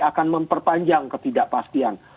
akan memperpanjang ketidakpastian